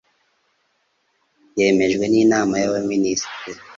yemejwe n inama y abaminisitiri